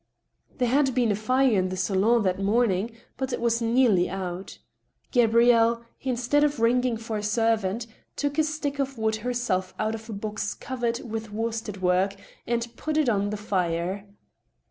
There had been a fire in the salon that morning, but it was nearly out. Gabrielle, instead of ringing for a servant, took a stick of wood herself out of a box covered with worsted work and put it on the fire.